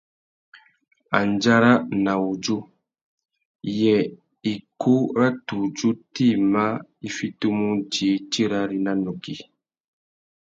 Andjara na wudjú : yê ikú râ tudju tïma i fitimú udjï tirari na tukí ?